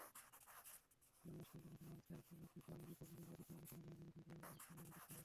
Amnesty International Central African রিপাবলিকে জাতিসংঘ সেনাদের বিরুদ্ধে যৌন নির্যাতনের সুনির্দিষ্ট অভিযোগ করে।